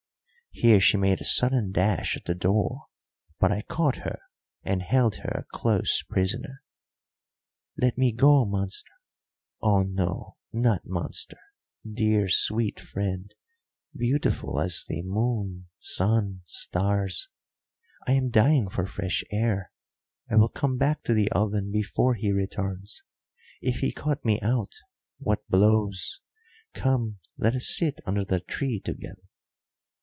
Here she made a sudden dash at the door, but I caught her and held her a close prisoner. "Let me go, monster oh, no, not monster, dear, sweet friend, beautiful as the moon, sun, stars. I am dying for fresh air. I will come back to the oven before he returns. If he caught me out, what blows! Come, let us sit under the tree together."